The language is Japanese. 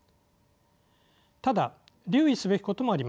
ただ留意すべきこともあります。